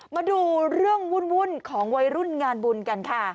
มาดูเรื่องวุ่นของวัยรุ่นงานบุญกันค่ะ